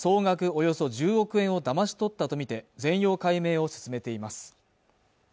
およそ１０億円をだまし取ったと見て全容解明を進めています